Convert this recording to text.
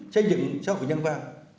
xây dựng xã hội nhân vang